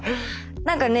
何かね